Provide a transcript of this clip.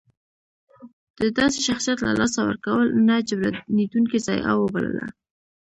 د داسې شخصیت له لاسه ورکول نه جبرانېدونکې ضایعه وبلله.